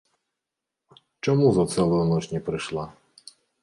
Чаму за цэлую ноч не прыйшла?